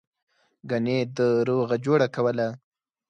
گني ده روغه جوړه کوله.